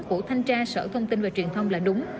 của thanh tra sở thông tin và truyền thông là đúng